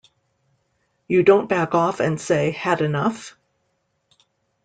You don't back off and say Had enough?